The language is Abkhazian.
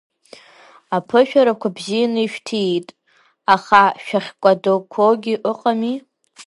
Аԥышәарақәа бзианы ишәҭиит, аха шәахькәадақәоугьы ыҟами.